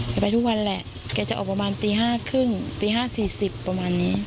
ไปทุกวันแหละแกจะออกประมาณตี๕๓๐ตี๕๔๐ประมาณนี้